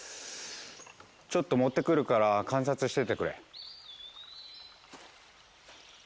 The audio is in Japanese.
ちょっと持ってくるから観察しててくれ。